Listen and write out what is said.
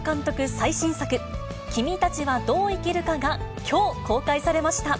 最新作、君たちはどう生きるかがきょう、公開されました。